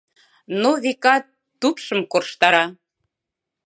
Но, векат, тупшым корштара.